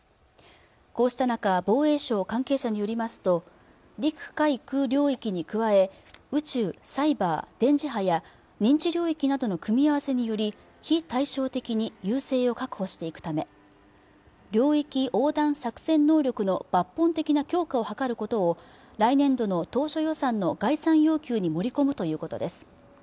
こうした中防衛省関係者によりますと陸海空領域に加え宇宙サイバー電磁波や認知領域などの組み合わせにより非対照的に優勢を確保していくため領域横断作戦能力の抜本的な強化を図ることを来年度の当初予算の概算要求に盛り込むということです